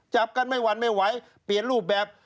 จับกันไม่หวั่นไม่ไหวเปลี่ยนรูปแบบ